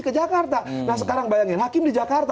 ke jakarta nah sekarang bayangin hakim di jakarta